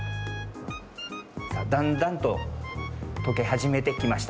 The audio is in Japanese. さあだんだんととけはじめてきました。